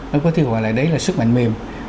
nó có thể gọi là đấy là sức mạnh mềm